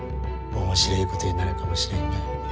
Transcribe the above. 面白えことになるかもしれんがや。